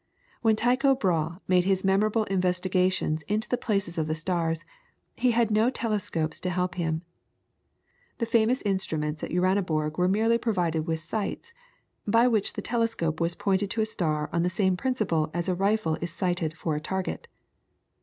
When Tycho Brahe made his memorable investigations into the places of the stars, he had no telescopes to help him. The famous instruments at Uraniborg were merely provided with sights, by which the telescope was pointed to a star on the same principle as a rifle is sighted for a target.